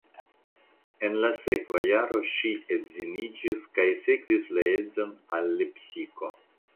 En la sekva jaro ŝi edziniĝis kaj sekvis la edzon al Lepsiko.